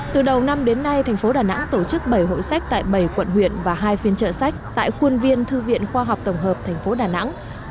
từ đầu năm đến nay thành phố đà nẵng tổ chức bảy hội sách tại bảy quận huyện và hai phiên trợ sách tại khuôn viên thư viện khoa học tổng hợp thành phố đà nẵng